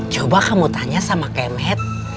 coba kamu tanya sama kemh